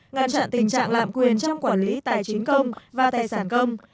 ngăn chặn tình trạng lạm quyền trong quản lý tài chính công và tài sản công